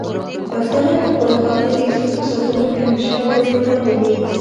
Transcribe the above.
پښتانه د خپلو خلکو د عزت په ساتلو کې همیشه پیاوړي پاتې دي.